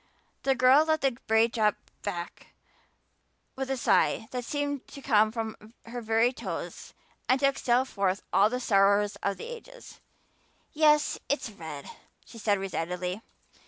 The girl let the braid drop back with a sigh that seemed to come from her very toes and to exhale forth all the sorrows of the ages. "Yes, it's red," she said resignedly.